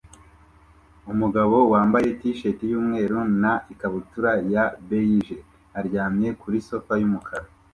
Umugabo wambaye t-shirt yumweru na ikabutura ya beige aryamye kuri sofa yumukara